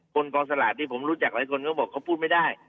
คนปลอดศราชน์ที่ผมรู้จักหลายคนก็บอกเขาพูดไม่ได้